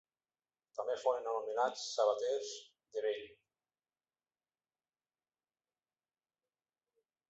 També foren anomenats sabaters de vell.